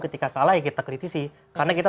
ketika salah ya kita kritisi karena kita